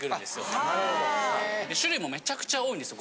種類もめちゃくちゃ多いんですよ。